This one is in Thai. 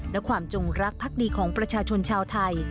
และความจงรักพักดีของประชาชนชาวไทย